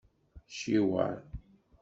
Ciweṛ.